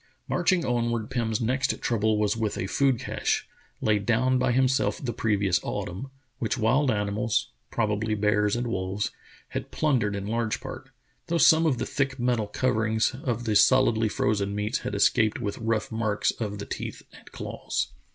Marching onward, Pim's next trouble was with a food cache, laid down by himself the previous autumn, which v,7ild animals — probably bears and wolves — had plundered in large part, though some of the thick metal coverings of the solidly frozen meats had escaped with rough marks of the teeth and claws.